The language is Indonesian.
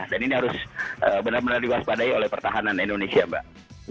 dan ini harus benar benar diwaspadai oleh pertahanan indonesia mbak